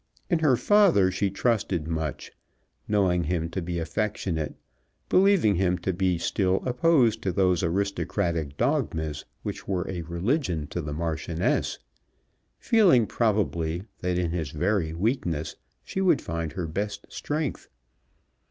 In her father she trusted much, knowing him to be affectionate, believing him to be still opposed to those aristocratic dogmas which were a religion to the Marchioness, feeling probably that in his very weakness she would find her best strength.